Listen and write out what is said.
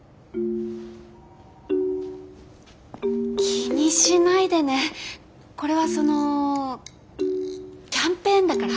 気にしないでねこれはそのキャンペーンだから。